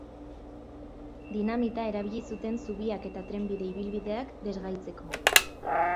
Dinamita erabili zuten zubiak eta trenbide ibilbideak desgaitzeko.